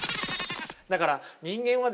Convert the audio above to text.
だから人間はですね